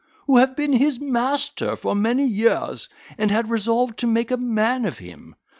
who have been his master for many years, and had resolved to make a man of him.